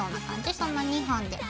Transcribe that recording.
その２本で。